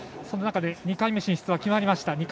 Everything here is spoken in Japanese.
その中で２回目進出が決まりました。